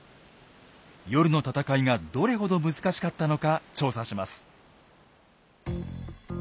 夜の戦いがどれほど難しかったのか調査します。